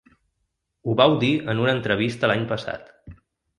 Ho vau dir en una entrevista l’any passat.